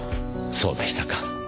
そうでしたか。